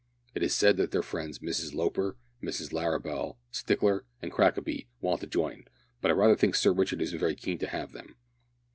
It is said that their friends Mrs Loper, Mrs Larrabel, Stickler, and Crackaby, want to join, but I rather think Sir Richard isn't very keen to have them.